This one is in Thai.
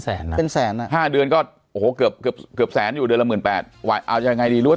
แสนแสน๕เดือนก็เกือบแสนอยู่เดือนละ๑๘อาจยังไงดีรู้ว่า